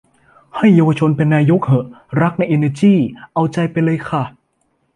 ให้เยาวชนเป็นนายกเหอะ รักในเอเนอจี้ เอาใจไปเลยค่ะ